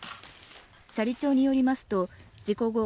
斜里町によりますと、事故後